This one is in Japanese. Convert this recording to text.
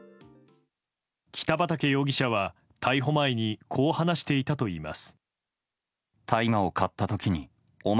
北畠容疑者は逮捕前にこう話していたといいます。